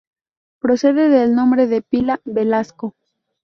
Procede del nombre de pila "Velasco".